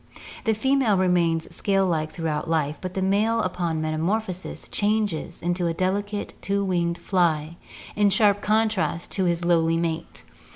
The female remains scale like throughout life but the male upon metamorphosis changes into a delicate two winged fly in sharp contrast to his lowly mate.